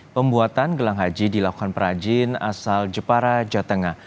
pembuatan gelang haji dilakukan perajin asal jepara jawa tengah